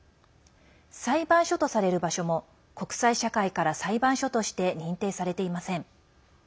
裁判所とされる場所も国際社会から裁判所として認定されていません。